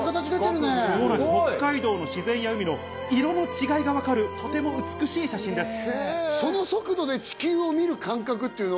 北海道の自然や海の色の違いがわかる、とても美しい写真です。